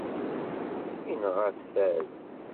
Inɣa-t fad.